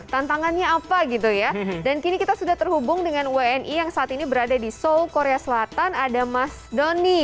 tantangannya apa gitu ya dan kini kita sudah terhubung dengan wni yang saat ini berada di seoul korea selatan ada mas doni